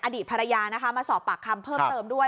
อดีตภรรยานะคะมาสอบปากคำเพิ่มเติมด้วย